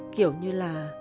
kiểu như là